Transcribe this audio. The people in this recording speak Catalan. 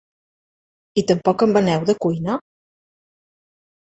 I tampoc en veneu de cuina?